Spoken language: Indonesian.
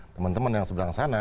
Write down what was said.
teman teman yang seberang sana